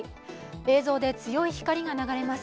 映像で強い光が流れます